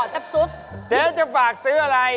เจ๊จะฝากซื้ออะไร